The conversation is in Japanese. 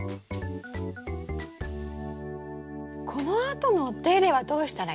このあとのお手入れはどうしたらいいですか？